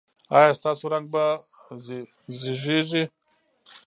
ایا ستاسو رنګ به زیړیږي؟